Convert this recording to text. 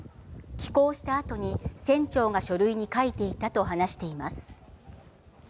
帰港した後に船長が書類に書いていたと話しています。